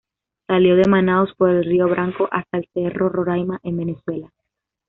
Salió de Manaos por el río Branco hasta el cerro Roraima en Venezuela.